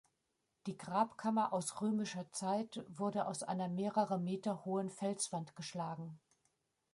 Die Grabkammer aus römischer Zeit wurde aus einer mehrere Meter hohen Felswand geschlagen.